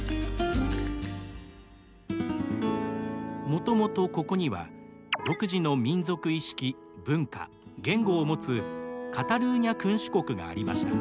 もともとここには独自の民族意識文化言語を持つカタルーニャ君主国がありました。